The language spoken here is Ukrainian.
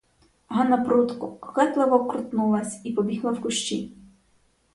Ганна прудко, кокетливо крутнулась і побігла в кущі.